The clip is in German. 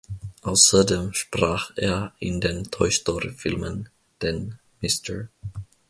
Außerdem sprach er in den "Toy-Story"-Filmen den "Mr.